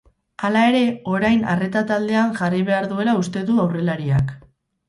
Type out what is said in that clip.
Hala ere, orain arreta taldean jarri behar duela uste du aurrelariak.